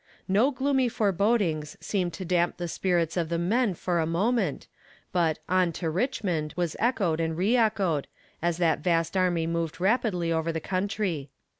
No gloomy forebodings seemed to damp the spirits of the men, for a moment, but "On to Richmond," was echoed and re echoed, as that vast army moved rapidly over the country.